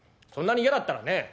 そんなに嫌だったらね